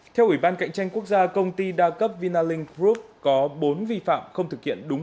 theo ủy ban cạnh tranh quốc gia công ty đa cấp vinaling group có bốn vi phạm không thực hiện đúng